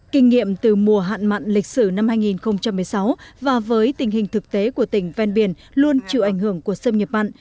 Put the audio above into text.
kinh nghiệm từ mùa hạn mặn lịch sử năm hai nghìn một mươi sáu và với tình hình thực tế của tỉnh ven biển luôn chịu ảnh hưởng của xâm nhập mặn